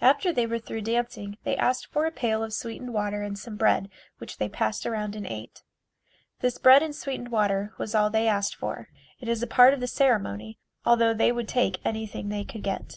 After they were through dancing they asked for a pail of sweetened water and some bread which they passed around and ate. This bread and sweetened water was all they asked for. It is a part of the ceremony, although they would take anything they could get.